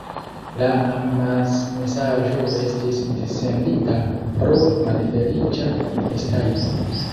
La amasmesaĝo estis dissendita pro malfeliĉa mistajpo.